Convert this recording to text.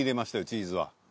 チーズは。